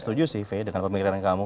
saya setuju sih fai dengan pemikiran kamu